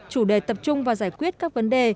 chủ đề tập trung và giải quyết các vấn đề